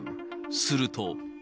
すると。